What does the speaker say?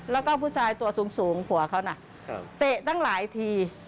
แล้วก็ผู้ชายตัวสูงผัวเขาน่ะเตะตั้งหลายที